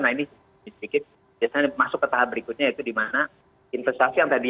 nah ini sedikit biasanya masuk ke tahap berikutnya yaitu di mana investasi yang tadi